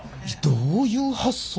どういう発想？